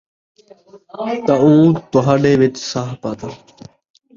تاں اُوں تہاݙے وِچ ساہ پاتا،